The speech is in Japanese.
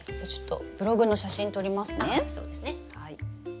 ああそうですね。